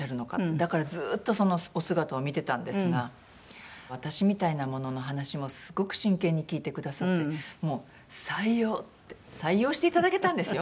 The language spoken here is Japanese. だからずっとそのお姿を見てたんですが私みたいな者の話もすごく真剣に聞いてくださってもう「採用」って採用して頂けたんですよ